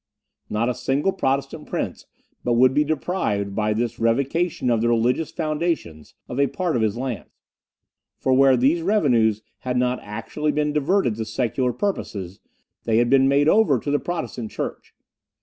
Not a single Protestant prince but would be deprived, by this revocation of the religious foundations, of a part of his lands; for where these revenues had not actually been diverted to secular purposes they had been made over to the Protestant church.